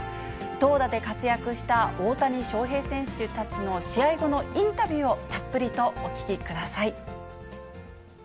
投打で活躍した大谷翔平選手たちの試合後のインタビューをたっぷりとお聞きください。